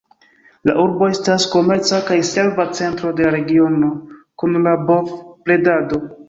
La urbo estas komerca kaj serva centro de la regiono kun la bov-bredado.